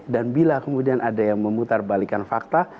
dan bila kemudian ada yang memutar balikan fakta